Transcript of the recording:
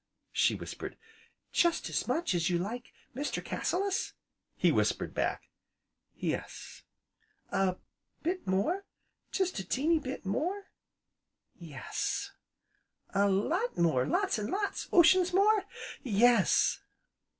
she whispered. "Jest as much as you like Mr. Cassilis?" he whispered back. "Yes!" "A bit more jest a teeny bit more?" "Yes!" "A lot more, lots an' lots, oceans more?" "Yes!"